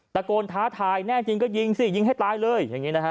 ตะโกนท้าทายแน่จริงก็ยิงสิยิงให้ตายเลย